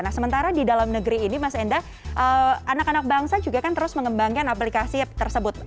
nah sementara di dalam negeri ini mas enda anak anak bangsa juga kan terus mengembangkan aplikasi tersebut